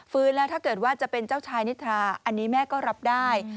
แล้วถ้าเกิดว่าจะเป็นเจ้าชายนิทราอันนี้แม่ก็รับได้